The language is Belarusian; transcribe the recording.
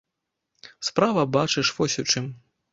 Справа, бачыш, вось у чым.